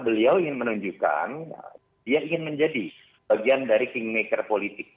beliau ingin menunjukkan dia ingin menjadi bagian dari kingmaker politik